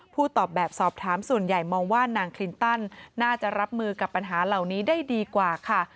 ตอบแบบสอบถามส่วนใหญ่มองว่านางคลินตันน่าจะรับมือกับปัญหาเหล่านี้ได้ดีกว่าค่ะ